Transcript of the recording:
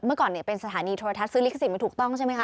เมื่อก่อนเป็นสถานีโทรทัศน์ซื้อลิขสิทธิ์มาถูกต้องใช่ไหมค